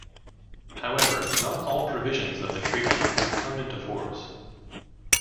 However, not all provisions of the treaty would come into force.